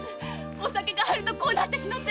お酒が入るとこうなってしまって。